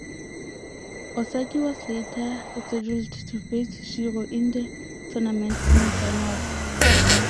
Osaki was later rescheduled to face Shiro in the tournament semifinals.